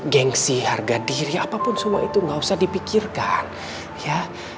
gengsi harga diri apapun semua itu nggak usah dipikirkan ya